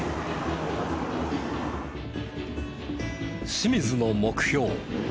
清水の目標。